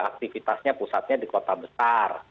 aktivitasnya pusatnya di kota besar